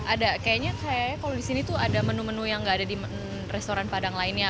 ada kayaknya kalau disini tuh ada menu menu yang tidak ada di restoran padang lainnya